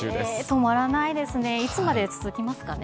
止まらないですね、いつまで続きますかね。